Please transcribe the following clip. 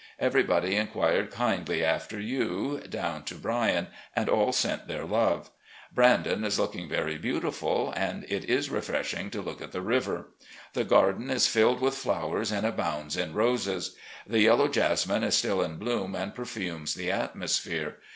Everybody inquired kindly after you, down to Bryan, and all sent their love. ' Brandon ' is looking very beauti ful, and it is refreshing to look at the river. The garden is filled with flowers and abounds in roses. The yellow jasmine is still in bloom and perfumes the atmosphere.